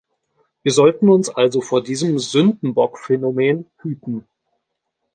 Wir sollten uns also vor diesem "Sündenbock-Phänomen" hüten.